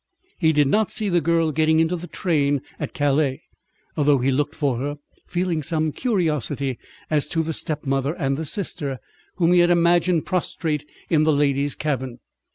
He did not see the girl getting into the train at Calais, though he looked for her, feeling some curiosity as to the stepmother and the sister whom he had imagined prostrate in the ladies' cabin.